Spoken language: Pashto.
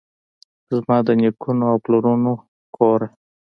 زما دنیکونو اوپلرونو کوره!